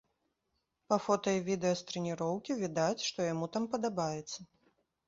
Па фота і відэа з трэніроўкі відаць, што яму там падабаецца.